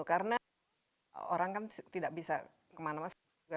karena orang kan tidak bisa kemana mana